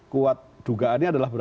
kuat dugaannya adalah